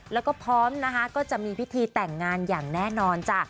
แล้วก็พร้อมนะคะก็จะมีพิธีแต่งงานอย่างแน่นอนจ้ะ